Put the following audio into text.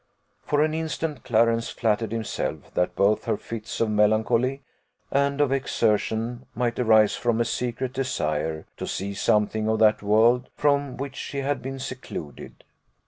For an instant, Clarence flattered himself that both her fits of melancholy and of exertion might arise from a secret desire to see something of that world from which she had been secluded.